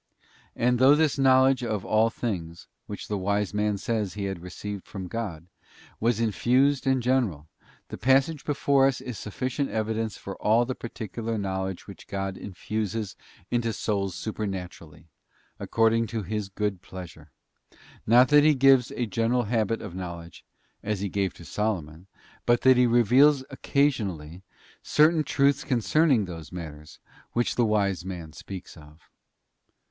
'* And though this knowledge of all things, which the Wise Man says he had received from God, was infused and general, the passage before us is sufficient evidence for all the particular knowledge which God infuses into souls supernaturally, according to His good pleasure: not that He gives a general habit of knowledge, as He gave to Solomon, but that He reveals occasionally certain truths concerning those matters which the Wise Man speaks of.